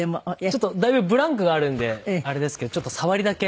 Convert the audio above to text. だいぶブランクがあるのであれですけどちょっとさわりだけ。